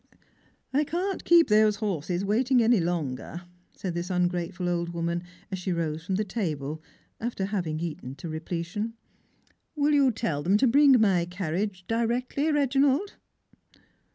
" I can't keep those horses waiting any longer," said this un grateful old woman, as she rose from the table, after having eaten to repletion. " Will you tell them to bring my caniage directly, Eeginald?"